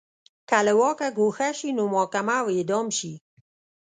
که له واکه ګوښه شي نو محاکمه او اعدام شي